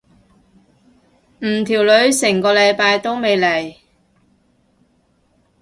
唔條女成個禮拜都未嚟。